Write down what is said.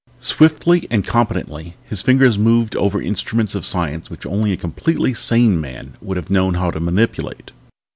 Swiftly and competently his fingers moved over instruments of science which only a completely sane man would have known how to manipulate.